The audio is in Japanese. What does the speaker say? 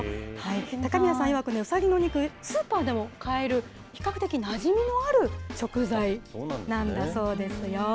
高宮さんいわく、ウサギの肉、スーパーでも買える比較的なじみのある食材なんだそうですよ。